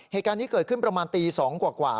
เหตุการณ์นี้เกิดขึ้นประมาณตี๒กว่า